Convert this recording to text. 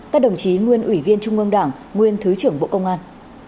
các đồng chí nguyên ủy viên trung ương đảng nguyên thứ trưởng bộ công an